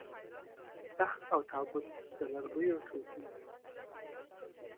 تخت او تابوت د لرګیو توکي دي